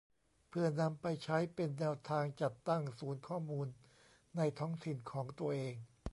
เพื่อนำไปใช้เป็นแนวทางจัดตั้งศูนย์ข้อมูลในท้องถิ่นของตัวเอง